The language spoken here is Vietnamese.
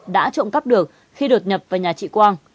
đã trộm cắp được khi đột nhập vào nhà chị quang